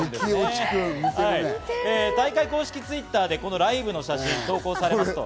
大会公式Ｔｗｉｔｔｅｒでライーブの写真が投稿されますと。